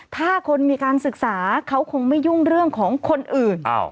ถ้าคนมีการศึกษาเขาคงไม่ยุ่งเรื่องของคนอื่น